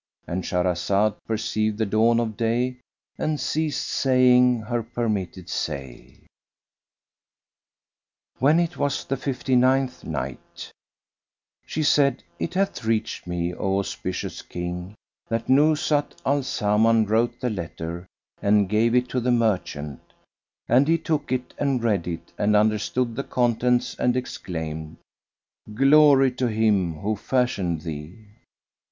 "—And Shahrazad perceived the dawn of day and ceased saying her permitted say. When it was the Fifty ninth Night, She said, It reached me, O auspicious King, that Nuzhat al Zaman wrote the letter and gave it to the merchant; and he took it and read it and understood the contents and exclaimed, "Glory to Him who fashioned thee!"